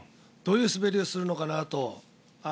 どういう滑りをするのかなと。